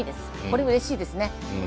これうれしいですね。